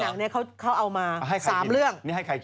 คือการฉายหนังเขาเอามา๓เรื่อง